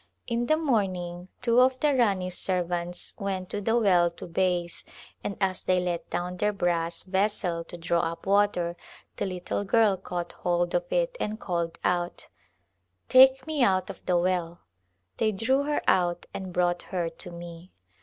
In the morning two of the Rani's servants went to the well to bathe and as they let down their brass vessel to draw up water the little girl caught hold of it and called out, " Take me out of the well !" They drew her out and brought her to me.